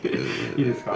いいですか？